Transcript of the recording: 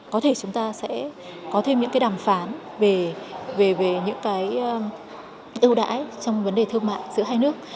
có thể chúng ta sẽ có thêm những cái đàm phán về những cái ưu đãi trong vấn đề thương mại giữa hai nước